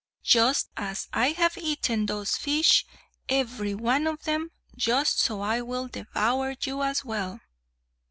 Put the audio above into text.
Just as I have eaten those fish, every one of them, just so I will devour you as well!"